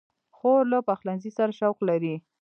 خور له پخلنځي سره شوق لري.